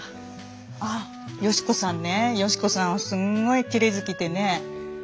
あ嘉子さんね嘉子さんはすんごいきれい好きでね。